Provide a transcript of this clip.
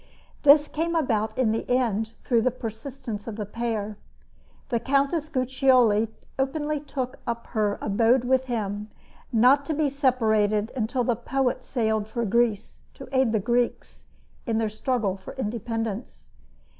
This came about in the end through the persistence of the pair. The Countess Guiccioli openly took up her abode with him, not to be separated until the poet sailed for Greece to aid the Greeks in their struggle for independence.